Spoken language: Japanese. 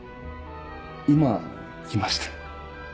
今来ました。